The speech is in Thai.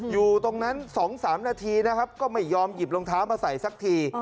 อยู่ตรงนั้น๒๓นาทีนะครับก็ไม่ยอมหยิบรองเท้ามาใส่สักที